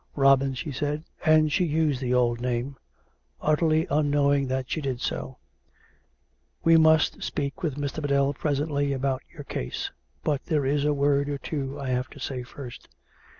" Robin/' she said (and she used the old name, utterly unknowing that she did so), " we must speak with Mr. Biddell presently about your case. But there is a word or two I have to say first.